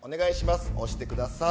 押してください。